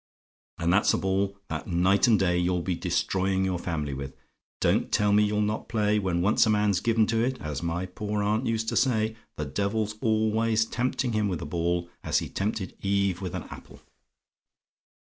And that's a ball, that night and day you'll be destroying your family with. Don't tell me you'll not play! When once a man's given to it as my poor aunt used to say the devil's always tempting him with a ball, as he tempted Eve with an apple.